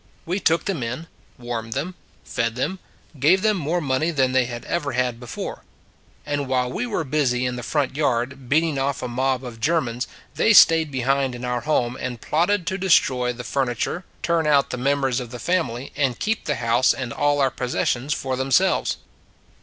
We took them in, warmed them, fed them, gave them more money than they had ever had before; and while we were busy in the front yard, beating off a mob of Germans, they stayed behind in our home and plotted to destroy the furniture, turn out the members of the family and keep the house and all our pos sessions for themselves.